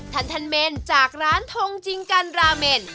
ทันเมนจากร้านทงจริงกันราเมน